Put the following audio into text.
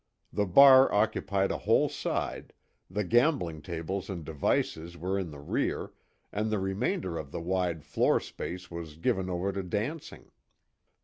The bar occupied a whole side, the gambling tables and devices were in the rear, and the remainder of the wide floor space was given over to dancing.